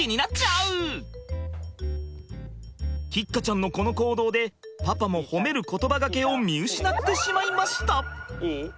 もう桔鹿ちゃんのこの行動でパパも褒める言葉がけを見失ってしまいました。